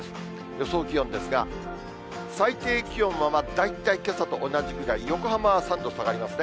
予想気温ですが、最低気温は大体けさと同じくらい、横浜は３度下がりますね。